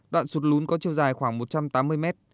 đoạn sụt lún có chiều dài khoảng một trăm tám mươi mét